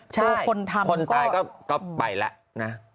คือคนทำคนตายก็ไปแล้วนะ